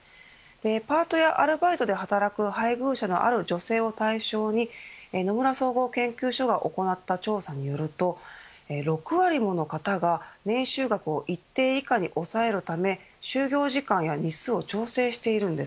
パートやアルバイトで働く配偶者のある女性を対象に野村総合研究所が行った調査によると６割もの方が年収額を一定以下に抑えるため就業時間や日数を調整しているんです。